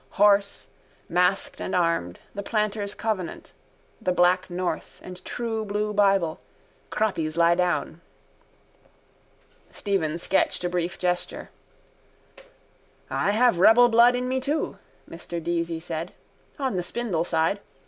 Hoarse, masked and armed, the planters' covenant. The black north and true blue bible. Croppies lie down. Stephen sketched a brief gesture. —I have rebel blood in me too, Mr Deasy said. On the spindle side.